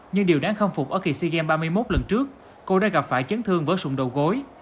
nhưng điều đáng khâm phục ở kỳ sea games ba mươi một lần trước cô đã gặp phải chấn thương vỡ sùng đầu gối